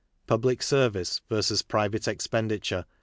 Public Service t). Private Eipenditure.